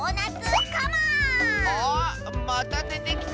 あっまたでてきた！